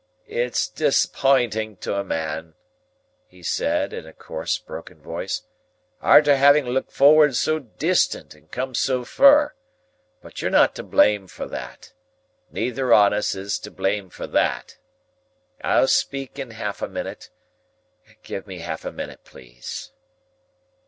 "It's disapinting to a man," he said, in a coarse broken voice, "arter having looked for'ard so distant, and come so fur; but you're not to blame for that,—neither on us is to blame for that. I'll speak in half a minute. Give me half a minute, please."